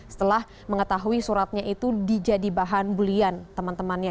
setelah mengetahui suratnya itu dijadibahan bulian teman temannya